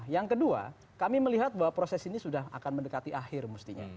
yang kedua kami melihat bahwa proses ini sudah akan mendekati akhir mestinya